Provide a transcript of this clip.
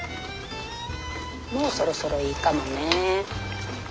もうそろそろいいかもね。